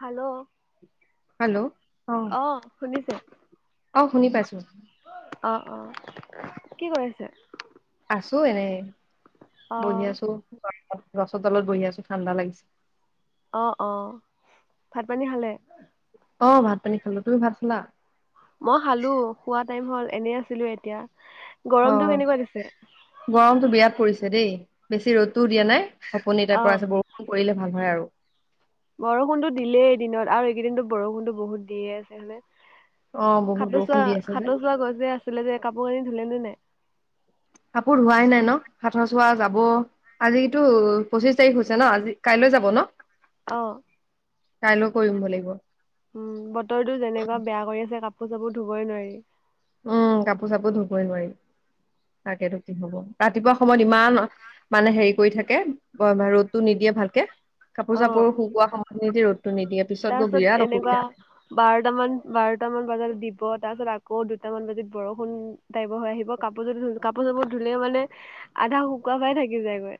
Hello, hello অ অহঁ শুনিছোঁ। অ শুনি পাইছো। অ'অ কি কৰিছে? আছো এনেই অ বহি আছোঁ। গছৰ তলত বহি আছো ঠাণ্ডা লাগিছে। অ, অ 'ভাত পানী খালে? অ ভাঁত পানী খালোঁ তুমি ভাত খালাঁ মই খালো খোৱা টাইম হল এনেই আছিলো এতিয়া গৰমটো কেনেকুৱা দিছে অ' গৰমটো বিৰাট পৰিছে। দেই বেছি ৰ'দটো দিয়া নাই আপুনি অ এতিয়া আছে বৰষুণ পৰিলে ভাল হয় আৰু। বৰষুণতো দিলেই এদিনত। আৰু এইকেইদিনটো বৰষুণটো বহুত দিয়ে আছে হয়নে? অ বহুত সতোৰ বৰষুণ চোৱা দি আছে যে সাতোৰ চোৱা গৈছে আছিলে যে কাপোৰ কানি ধুলে নে নাই। কাপোৰ ধোৱাই নাই ন? হাতৰ চোৱা যাব আজিতো পঁচিশ তাৰিখ হৈছে ন? আজি কাইলৈ যাব নহঁ। অহঁ। কাইলৈও কৰিব লাগিব। উম বতৰটো যেনেকুৱা বেয়া কৰি আছে কাপোৰ চাপোৰ ধুবই নোৱাৰি। উম, কাপোৰ চাপোৰ ধুবই নোৱাৰি। তাকেতো কি হব ৰাতিপুৱা সময়ত ইমান মানে হেৰি কৰি থাকে ৰ'দটো নিদিয়ে। ভালকে কাপোৰ চাপোৰ অ শুকোৱা সময় খিনিতে ৰ'দটো নিদিয়ে পিছত গৈ তাৰপিছত বিৰাট অসুবিধা হয়। দুটামান বজাত দিব তাৰপিছত আকৌ দুটামান বজাত বৰষুণ টাইপৰ হৈ আহিব কাপোৰযোৰ ধ কাপোৰ চাপোৰ ধুলে মানে আধা শুকুৱ খাই থাকি যায়গৈ।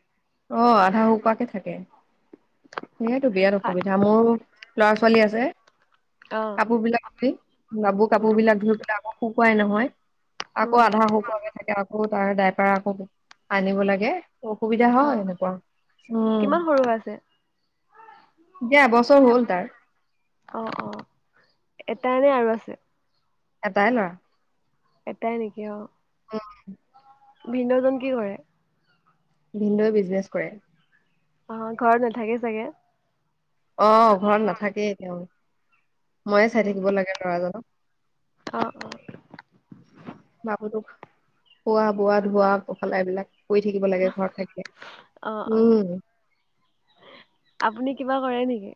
অ' আধা হুকুৱাকে থাকে সেইয়াতো বিৰাট ভাত অসুবিধা মোৰ। লৰা ছোৱালী আছে অ', কাপোৰ বিলাক ধুই লৰাবোৰ কাপোৰ উম, বিলাক ধুই পেলাই আকৌ হুকো শুকুৱাই নহয় আকৌ উম, আধা শুকোঁৱাকে থাকে আকৌ তাৰ দাই পৰা আকৌ আনিব লাগে অহঁ। দেহা হয় অ', এনেকুৱা উম। কিমান সৰু হৈ আছে? এবছৰ হ'ল তাৰ। অ', অ', এটাই নে আৰু আছে। এটাই লৰা। এটাই নেকি? অ। ভিনদেউজন কি কৰে। ভিনদেউ এ বিজনেছ কৰে। অ ঘৰত নাথাকে চাগে। অহঁ ঘৰত নাথাকেই তেওঁ ময়ে চাই উম, থাকিব লাগে লৰাজনক অ', অ', বাবু তোক খোৱা-বোৱা ধোৱা পখলা এই বিলাক। কৰি থাকিব লাগে ঘৰত থাকিলে অ', অ', উম। আপুনি কিবা কৰে নেকি।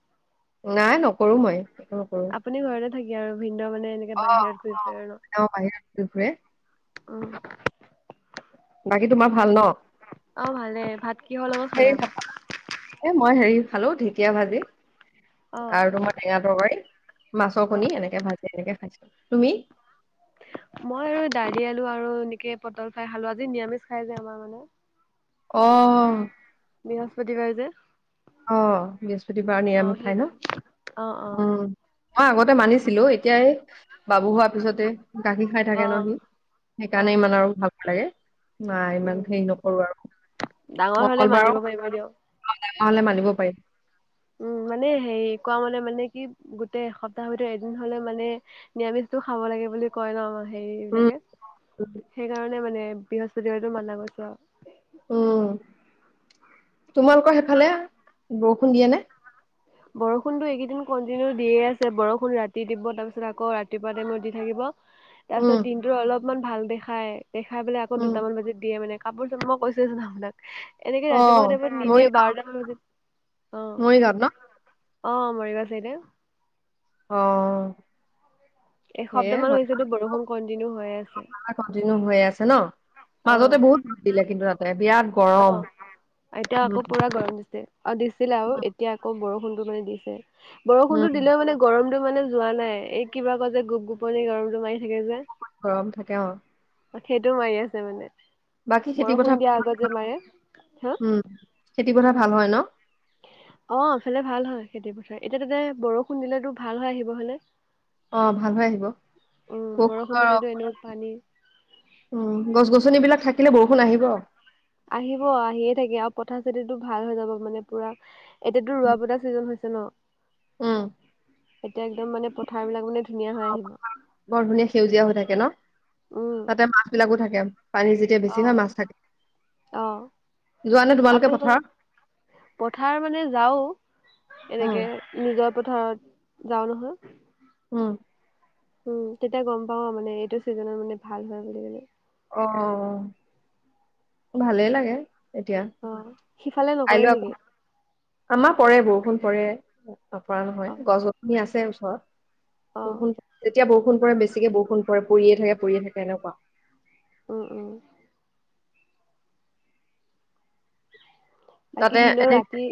নাই নকৰোঁ মই। একো নকৰো আপুনি ঘৰতে থাকে আৰু ভিনদেউ মানে এনেকে বাহিৰত গৈছে আৰু ন। দুখৰে অহঁ বাকী তোমাৰ ভাল ন বাকী অ' ভালে। ভাত কিহৰ লগত খালে আকৌ? এহঁ মই হেৰি খালো ঢেকীয়া ভাজি অ আৰু তোমাৰ টেঙা তৰকাৰী মাছৰ অ কণী এনেকে ভাজি এনেকে খাইছোঁ। তুমি? মই আৰু দালি আলু আৰু এনেকে পটল ফ্ৰাই খালোঁ আজি নিৰামিষ খাই যে আমাৰ মানে আহ। বৃহস্পতি বাৰ যে। অ' বৃহস্পতিবাৰ অ নিৰামিষ খাই ন? সেইকাৰণে অ অ উম। মই আগতে মানিছিলো এতিয়াই বাবু হোৱাৰ পিছতে গাখীৰ খাই অ থাকে ন সি। অ সেইকাৰণে ইমান আৰু ভাল লাগে। নাই ইমান উম হেৰি নকৰো আৰু ডাঙৰ হলে মংগলবাৰ মানিব পাৰিব দিয়ক প [unintelligible] উম মানে হেৰি কোৱা মানে মানে কি গোটেই এসপ্তাহৰ ভিতৰত এদিন হলে মানে নিৰামিষটো খাব লাগে। বুলি কয় নহঁ হেৰি উম। বিলাকে সেইকাৰণে মানে বৃহস্পতিবাৰতো মানা কৈছে আৰু উম, তোমালোকৰ সেইফালে বৰষুণ দিয়ে নে। বৰষুণতো এইকেইদিন কণ্টিনিউ দিয়ে আছে বৰষুণ ৰাতি দিব তাৰপিছত আকৌ ৰাতিপুৱা টাইমত দি থাকিব। তাৰপিছত উম, দিনটো অলপমান ভাল দেখাই দেখাই বোলে আকৌ উম, দুটামান বজাত দিয়ে মানে কাপোৰ-চাপোৰ মই কৈছো ন আপোনাক এনেকে ৰাতিপুৱা অ' তাইমত নিদিয়ে বাৰটামান বজাত। অ মৰিগাওঁ ত ন? অ মৰি গাওঁ ছেইদে। অ। এসপ্তাহ সেয়া মান হয় হৈছেতো বৰষুণ কন্টিনিউ হৈ আছে কন্টিনিউ হৈ আছে নহঁ। অ মাজতে বহুত ভাল দিলে কিন্তু ৰাতি। অ এতিয়া উম, আকৌ পুৰা গৰম দিছে অ দিছিলে আৰু এতিয়া আকৌ বৰষুণ বৰুষুণতো উম, দিলে মানে গৰম মই মানে যোৱা নাই এই কিবা কে যে গোপ গোপনি মাৰি থাকে যে। গৰম থাকে অহঁ সেইটো মাৰি আছে মানে। বাকী খেতি বৰষুণ পথাৰ। দিয়াৰ আগত যে মাৰে হাঁ উম, খেতি পথাৰ ভাল হয় নহঁ। অ' ইফালে ভাল হয় খেতি পথাৰ। এতিয়া তাতে বৰষুণ দিলেতো ভাল হয় আহিব হলে। অহঁ ভাল হৈ আহিব উম বৰষুণ দিলেতো এনেও পানী উম গছ গছনি বিলাক থাকিলে বৰষুণ আহিব আৰু আহিব আহিয়ে থাকে আৰু পথাৰ চথাৰ ভাল হৈ যাব মানে পুৰা। এতিয়াতো ৰোৱা বতা ছিজন হৈছে নহঁ ওহঁ এতিয়া একদম মানে পথাৰ বিলাক মানে ধুনীয়া হৈ আহিব বৰ ধুনীয়া সেউজীয়া হৈ থাকে ন? উম তাতে মাছ বিলাকো থাকে। পানী যেতিয়া বেছি হয় মাছ থাকে। অহঁ। যোৱা নে তোমালোকে পথাৰত। পথাৰ মানে যাওঁ উম, এনেকে নিজৰ পথাৰত যাওঁ নহয়। উম। উম তেতিয়া গম পাও মানে এইটো চিজনত মানে ভাল হয় বুলি ক'লে। অ ভালেই লাগে। এতিয়া অ সিফালে নকৰে কাইলৈ নেকি আকৌ আমাৰ পৰে বৰষুণ পৰে। নপৰা নহয় অ গছ গছনি আছে অ ওচৰত এতিয়া বৰষুণ পৰে বেছিকে বৰষুণ পৰে পৰিয়ে থাকে পৰিয়ে থাকে এনেকুৱা উম উম। বাকী তাতে ভিনদেউ এনে ৰাতি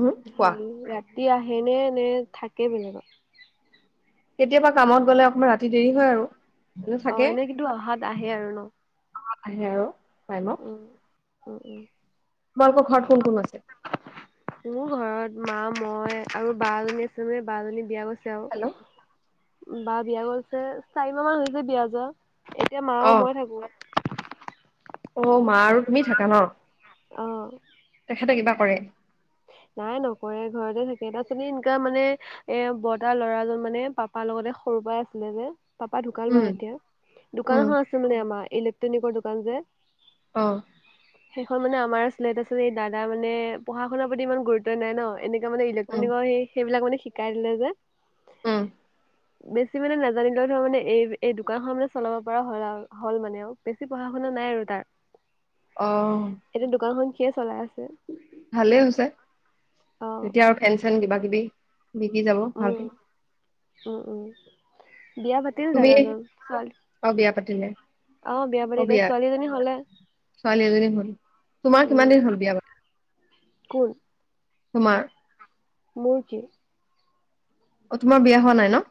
উম, কোৱা, ৰাতি ৰাতি আহেনে নে থাকে বেলেগত। কেতিয়াবা কামত গ'লে অকমান ৰাতি দেৰি হয় আৰু অ এনে কিন্তু অহাত আহে আৰু ন আহে আৰু টাইমত উ উ তোমালোকৰ ঘৰত কোন কোন আছে? মোৰ ঘৰত মা মই আৰু বাএজনী আছে যে বাজনী বিয়া গৈছে আৰু হেল্ল', বাৰ বিয়াও হৈছে। চাৰি মাহমান হৈছে বিয়া যোৱা। এতিয়া মা আৰু অ', মই থাকো। অ' মা আৰু তুমি থাকা ন? অ তেখেতে কিবা কৰে? নাই নকৰে, ঘৰতে থাকে। তাৰ [unintelligible] এনেকা মানে এ বৰ্তা ল'ৰাজন মানে পাপাৰ লগত সৰুৰ পৰাই আছিলে যে পাপা ঢুকাল উম, বাৰু এতিয়া। উম, দোকানখন আছে মানে আমাৰ ইলেক্ট্ৰনিকৰ দোকান যে অ'। সেইখন মানে আমাৰ আছিলে, তাৰপিছত এই দাদাৰ মানে পঢ়া-শুনাৰ প্ৰতি ইমান গুৰুত্ব নাই ন! এনে মানে উম, ইলেক্ট্ৰনিকৰ সেইবিলাক মানে শিকাই দিলে যে উম। বেছি মানে নাজানিলেও ধৰ মানে, এই-এই দোকানখন মানে চলাব পৰা হ'ল আৰু। হ'ল মানে আৰু। বেছি পঢ়া শুনা নাই আৰু তাৰ। অ'। এতিয়া দোকানখন সিয়ে চলাই আছে। ভালেই হৈছে। অ তেতিয়া আৰু ফেন-চেন কিবাকিবি বিকি যাব উম ভালকে উম উম। বিয়া পাতিল তুমি দাদাজন হয়। অ বিয়া পাতিলে অ' বিয়া বুলি, ছোৱালীজনী হ'লে ছোৱালী এজনী হ'ল, তোমাৰ উম কিমান দিন হ'ল বিয়া পতা? কোন? তোমাৰ? মোৰ কি? অ' তোমাৰ বিয়া হোৱা নাই ন?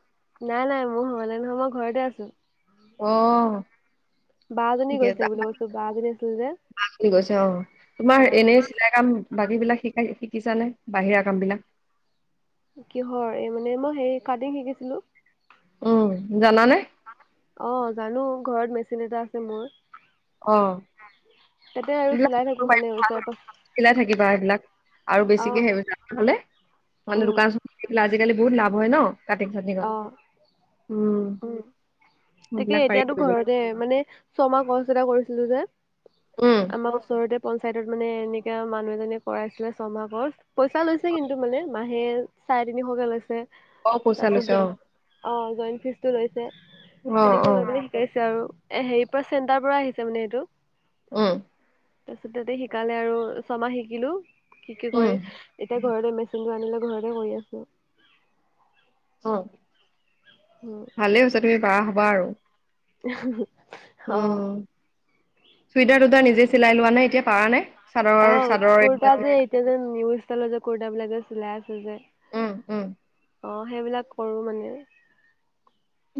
নাই নাই। মোৰ হ'লে নহয় মই ঘৰতে আছো। অ'। বাজনী ঠিকে গৈছে আছে বুলি আমাৰ কৈছো, বাজনী আছিল যে, জনী গৈছে অ' অ তোমাৰ এনে চিলাই কাম বাকীবিলাক শিকাই শিকিছা নে? বাহিৰা কামবিলাক কিহৰ? এই মানে মই হেৰি কাটিং শিকিছিলো। উম। জানানে? অ' জানো। ঘৰত মেচিন এটা আছে মোৰ। অ'। তাতে আৰু এইবিলাক চলাই থাকো মানে এই ওচৰতো চিলাই থাকিবা এইবিলাক। আৰু বেছিকে [unintelligible] হ'লে মানে উম দোকান [unintelligible] আজিকালি বহুত লাভ হয় ন? কাটিং চাটিংত। অ উম তাকে সেইবিলাক পাৰি এতিয়াতো কৰিবলৈ ঘৰতে। মানে ছমাহ কোৰ্চ এটা কৰিছিলোঁ। ছিলো যে, উম আমাৰ ওচৰতে পঞ্চায়তত মানে এনেকা মানুহ এজনে কৰাইছিলে ছমাহ কৰ্চ। পইচা লৈছে কিন্তু মানে, মাহে চাৰে-তিনিশকে লৈছে। অ পইচা তাৰপিছত লৈছে জইন, অ অ' জইন ফিছ তো লৈছে। অ অ সেনেকে লৈ পিনে শিকাইছে আৰু। এ হেৰি পৰা চেণ্টাৰ পৰা আহিছে মানে সেইটো অ' তাৰপিছত তাতে শিকালে আৰু। ছমাহ শিকিলো, শিকি উম, কৰি এতিয়া ঘৰতে মেচিনটো আনি লৈ ঘৰতে কৰি আছোঁ। অ', ভালেই হৈছে তুমি পাৰা হ'বা আৰু! [unintelligible] অ' উম চুইটাৰ-টুইটাৰ নিজে চিলাই লোৱা নে এতিয়া? পাৰা নে? চাদৰৰ অ' চাদৰৰ কুৰ্তা এইবিলাক যে এতিয়া যে নিউ ষ্টাইলৰ যে কুৰ্তাবিলাক যে চিলাই আছে যে। উম, উম, অ' সেইবিলাক কৰোঁ মানে!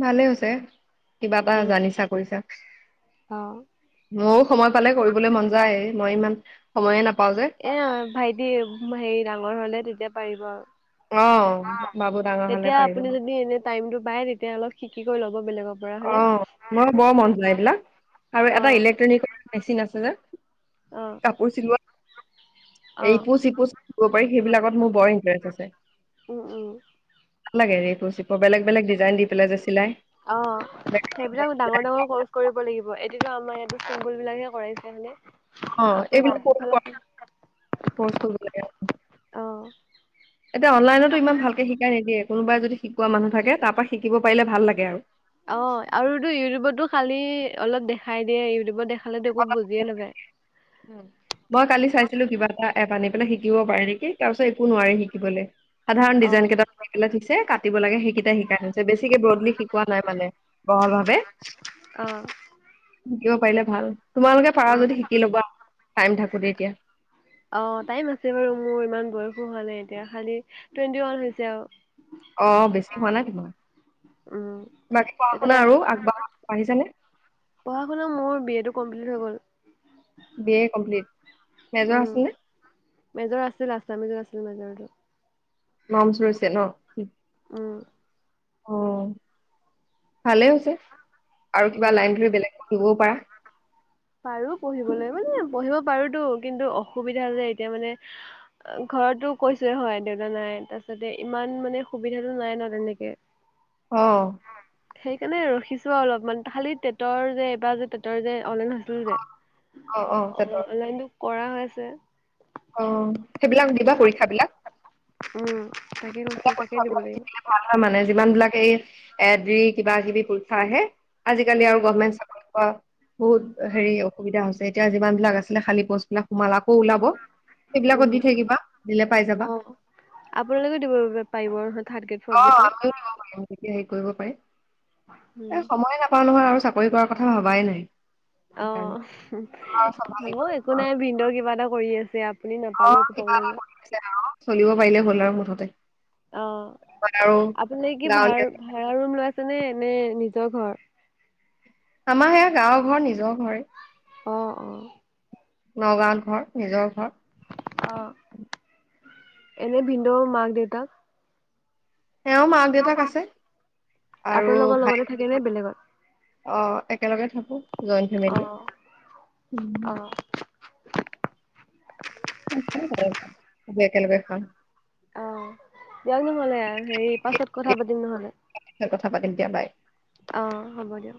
ভালে হৈছে। কিবা এটা উম, জানিছা কৰিছা অ'। ময়ো সময় পালে কৰিবলৈ মন যায়। মই ইমান সময়ে নাপ। এ ভাইটি হেৰি ডাঙৰ হলে তেতিয়া পাৰিব অ', আৰু বাবু ডাঙৰ হ'লে তেতিয়া পাৰিব। আপুনি যদি এনে টাইমটো পায় তেতিয়া অলপ শ কৰি ল অ মই বৰ মন যায় এইবিলাক আৰু এটা অ', ইলেক্ট্ৰনিকৰ মেচিন আছে যে অ', কাপোৰ চিলোৱা এ অ', ইপুচ হিপুচ পাৰি সেইবিলাকত মোৰ বৰ ইণ্টাৰেষ্ট আছে। উম উম ভাল লাগে ৰিপু চিপু বেলেগ বেলে ডিজাইন দি পেলাই যে চিলাই। অ সেইবিলাক ডাঙৰ ডাঙৰ কচ কৰিব। লাগিব, এতিয়া টো আমাৰ ইয়াতো চিম্পল বিলাকহে কৰাইছে হয় নে? অ', আপোনাৰ এইবিলাক ক'ৰ্চ সফাল কৰা- ক'ৰ্চ কৰিব লাগে অ। এতিয়া অনলাইনতো ইমান ভালকে শিকাই নিদিয়ে কোনোবাই যদি শিকোৱা মানুহ থাকে তাৰপ পৰা শিকিব পাৰিলে ভাল লাগে আৰু অ', আৰুতো ইউটিউবতো খালি অলপ দেখাই দিয়ে ইউটিউবত দেখালে একো বুজিয়ে নাপায়। উ মই কালি চাইছিলো কিবা এটা এপ আনি পেলাই শিকিব পাৰি নেকি তাৰ পিছত একো নোৱাৰি শিকিবলৈ সাধাৰণ ডিজাইন অ', কেইটা লাইঠ দিছে কাটিব লাগে সেইকেইটা শিকাই বেছিকে ব্ৰডলি শিকোৱা নাই মানে বহল ভাৱে অ', শিকিব পাৰিলে ভাল তোমালোকে পাৰা যদি শিকি লবা টাইম থাকোতে এতিয়া। অ টাইম আছে বাৰু মোৰ ইমান বয়সো হোৱা নাই এতিয়া খালি টুৱেণ্টি ওৱান হৈছে আৰু অ বেছি হোৱা নাই তোমাৰ উম, বাকী পঢ়া শুনা এতিয়া আৰু আগবাঢ়িছেনে পঢ়া শুনা মোৰ বি এটো কম্পলিত হৈ গল B A complete major um, আছে নে? মেজৰ আছিল আসামিজ আছিল মেজৰটো মামচ ৰৈছে ন ওম অ ভালেই হৈছে আৰু কিবা উম, লাইন ধৰি বেলেগ পঢ়িবও পাৰা। পাৰো পঢ়িবলৈ মানে পঢ়িব পাৰোতো কিন্তু অসুবিধা যে এতিয়া মানে ঘৰতো কৈছোৱয়ে হয় দেউতা নাই তাৰছতে ইমান মানে সুবিধাটো নাই ন তেনেকে আহ। সেইকাৰণে ৰখিছো আৰু অলপমান খালি তেটটৰ যে এইবাৰ যে তেতৰ যে অন লাইন অ অনলাইনটো কৰা হৈ আছে। অ সেইবিলাক দিবা পৰীক্ষাবলাক উম। তাকে কৈছো পৰা তাকে পক্ষ দিব লাগিব বিলাক ভাল হয় মানে যিমান বিলাক এই এ দি কিবা কিবি চে আজিকালি উম আৰু গমেন্ট চৰি বহুত হেৰি অসুবিধা হৈছে। এতিয়া যিমান বিলাক আছিলে খাল পষ্টবাক সোমালক। কৌ ওলাব সেইবিলাকত উম দি থাকিবা দিলে পাই যাবা। পাৰ অ আমিও দিব পাৰিমতিয়া হেৰি কৰিব পাৰিম উম এ সময়ে নাপাওঁ নহয় আৰু- চাকৰি কৰাৰ কথা ভবাই নাই। অ সেইকাৰণে আৰু চম্ভালিব হব লাগিব একো নাই আৰু ভিন্দ কিবা এটা কৰি আছে আ- অ' কিবা এটা কৰি আছে অ' চলিব পাৰিলে হ'ল আৰু মুঠতে। অহ, আৰু আপুনি কি ভা় গাঁৱলীয়া -ভাড়া ৰুম লৈছে? [unintelligible] তেনে নে নিজৰ ঘৰ? আমাৰ সেয়া গাঁৱৰ ঘৰ নিজৰ ঘৰে। আহ অ নগাঁৱত ঘৰ নিজৰ ঘৰ। অহ, এনে ভিন্দও মাক -দেউতাক সেয়াও মাক -দেউতাক আছে আৰু আপোনালোকৰ ভাই লগতে থাকে নে বেলেগত অ একেলগে থাকো জইণ্ট অ ফেমিলি- অ [unintelligible] অ'! দিয়ক নহ'লে, হেৰি পাছত কথা পাতিম নহ'লে। কথা পাতিম দিয়া বাই অ'! হ'ব দিয়ক।